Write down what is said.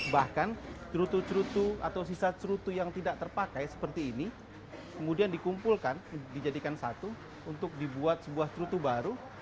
bahkan cerutu cerutu atau sisa cerutu yang tidak terpakai seperti ini kemudian dikumpulkan dijadikan satu untuk dibuat sebuah cerutu baru